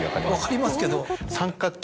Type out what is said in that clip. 分かりますけど。